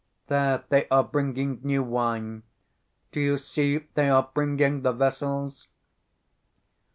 There they are bringing new wine. Do you see they are bringing the vessels...."